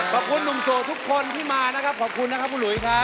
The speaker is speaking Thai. ขอบคุณหนุ่มโสดทุกคนที่มานะครับขอบคุณนะครับคุณหลุยครับ